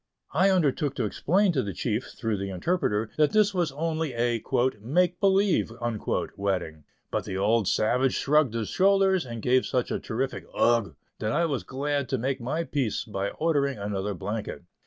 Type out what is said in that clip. I undertook to explain to the chief, through the interpreter, that this was only a "make believe" wedding; but the old savage shrugged his shoulders, and gave such a terrific "Ugh!" that I was glad to make my peace by ordering another blanket.